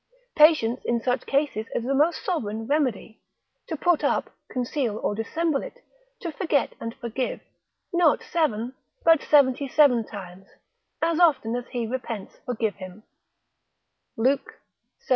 Patience in such cases is a most sovereign remedy, to put up, conceal, or dissemble it, to forget and forgive, not seven, but seventy seven times, as often as he repents forgive him; Luke xvii.